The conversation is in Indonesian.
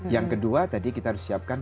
yang kedua tadi kita harus siapkan